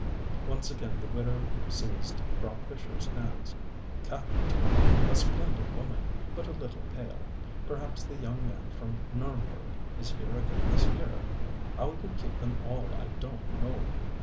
ŌĆØ Once again the Widow seized Frau FischerŌĆÖs hands. ŌĆ£Kathi, too, a splendid woman; but a little pale. Perhaps the young man from N├╝rnberg is here again this year. How you keep them all I donŌĆÖt know.